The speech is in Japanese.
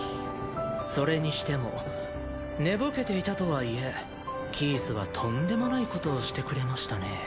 それにしても寝ぼけていたとはいえキースはとんでもないことをしてくれましたね。